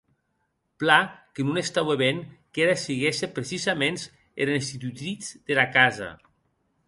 Plan que non estaue ben qu'era siguesse precisaments era institutritz dera casa.